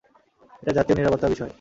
এটা জাতীয় নিরাপত্তার বিষয়।